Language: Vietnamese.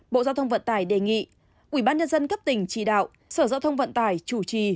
bộ giao thông vận tải đề nghị ubnd cấp tỉnh chỉ đạo sở giao thông vận tải chủ trì